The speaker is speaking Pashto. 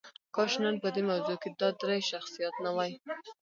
کاش نن په دې موضوع کې دا درې شخصیات نه وای.